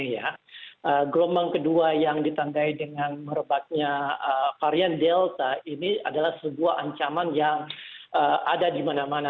karena gelombang kedua yang ditandai dengan merebaknya varian delta ini adalah sebuah ancaman yang ada di mana mana